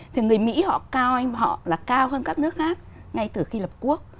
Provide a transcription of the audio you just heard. thì người mỹ họ cao em họ là cao hơn các nước khác ngay từ khi lập quốc